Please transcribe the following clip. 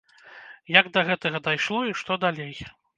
Як да гэтага дайшло і што далей?